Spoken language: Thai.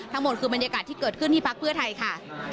ทั้งหมดคือบรรยากาศที่เกิดขึ้นที่พักเพื่อไทยค่ะ